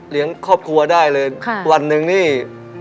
เลี้ยงครอบครัวได้เลยเขาวันนึงนี่ค่ะ